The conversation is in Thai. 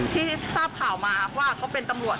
ที่ทราบข่าวมาว่าเขาเป็นตำรวจ